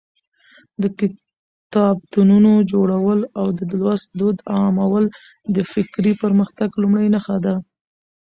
د کتابتونونو جوړول او د لوست دود عامول د فکري پرمختګ لومړۍ نښه ده.